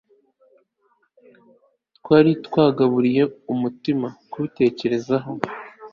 Twari twagaburiye umutima kubitekerezo